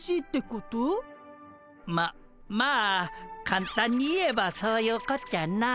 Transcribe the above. ままあかんたんに言えばそういうこっちゃな。